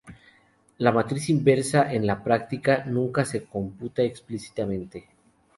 La matriz inversa, en la práctica, nunca se computa explícitamente.